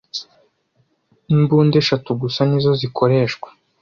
Imbunda eshatu gusa nizo zikoreshwa,